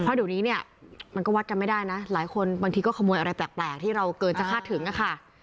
เพราะเดี๋ยวนี้เนี่ยมันก็วัดกันไม่ได้นะหลายคนบางทีก็ขโมยอะไรแปลกที่เราเกินจะคาดถึงอะค่ะ